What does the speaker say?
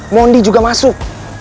mondi juga masuk